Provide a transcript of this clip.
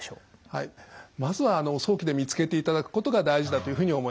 はいまずは早期で見つけていただくことが大事だというふうに思います。